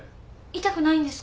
痛くないんですか？